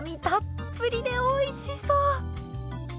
たっぷりでおいしそう！